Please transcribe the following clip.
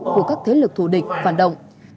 của các thế lực thù địch phản động